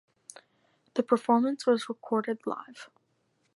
The performance was recorded live.